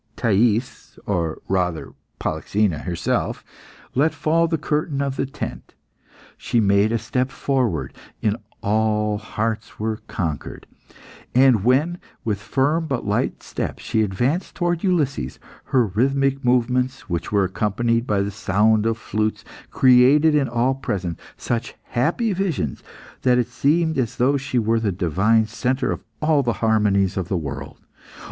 Thais or rather Polyxena herself let fall the curtain of the tent. She made a step forward, and all hearts were conquered. And when, with firm but light steps, she advanced towards Ulysses, her rhythmic movements, which were accompanied by the sound of flutes, created in all present such happy visions, that it seemed as though she were the divine centre of all the harmonies of the world.